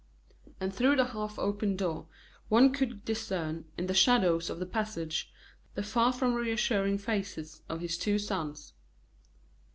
And through the half open door one could discern, in the shadows of the passage, the far from reassuring faces of his two sons.